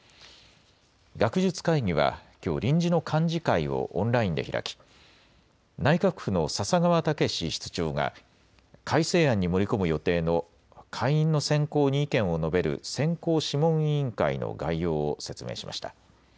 学術会議はきょう、臨時の幹事会をオンラインで開き、内閣府の笹川武室長が、改正案に盛り込む予定の会員の選考に意見を述べる選考諮問委員会の概要を説明しました。